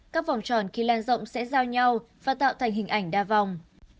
các vòng tròn khi lan rộng sẽ giao nhau và tạo thành hình ảnh đa vòng